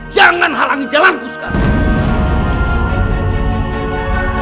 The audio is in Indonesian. jangan halangi jalanku sekarang